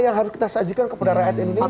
yang harus kita sajikan kepada rakyat indonesia